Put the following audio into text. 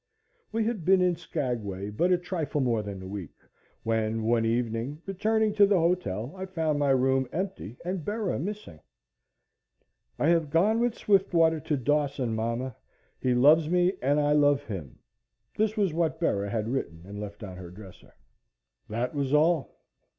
We had been in Skagway but a trifle more than a week, when, one evening, returning to the hotel, I found my room empty and Bera missing. "I have gone with Swiftwater to Dawson, Mamma. He loves me and I love him." This was what Bera had written and left on her dresser. That was all.